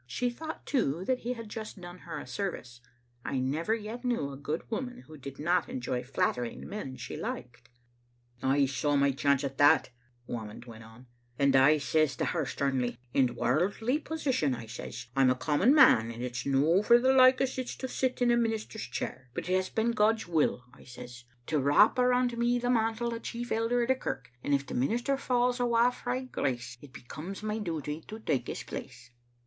She thought, too, that he had just done her a service. I never yet knew a good woman who did not enjoy flatter ing men she liked. " I saw my chance at that," Whamond went on, " and I says to her sternly, 'In worldly position,' I says, 'I'm a common man, and it's no for the like o' sic to sit in a minister's chair; but it has been God's will,' I says, 'to Digitized by VjOOQ IC Aat^atet mb tbe precentor* 847 wrap around me the mantle o' chief elder o' the kirk, and if the minister falls awa frae grace, it becomes my duty to take his place.